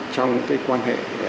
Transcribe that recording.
trong cái quan hệ